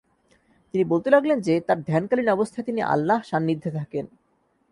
তিনি বলতে লাগলেন যে তার ধ্যানকালীন অবস্থায় তিনি আল্লাহ সান্নিধ্যে থাকেন।